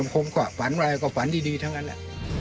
ผมก็ฝันอะไรก็ฝันดีทั้งนั้นแหละ